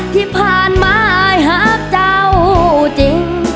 ที่ผ่านมาหากเจ้าจริง